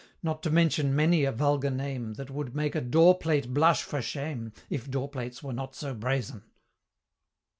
Not to mention many a vulgar name, That would make a door plate blush for shame, If door plates were not so brazen!